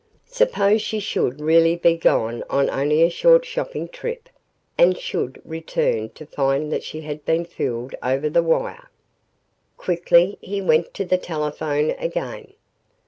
Suppose she should really be gone on only a short shopping trip and should return to find that she had been fooled over the wire? Quickly, he went to the telephone again.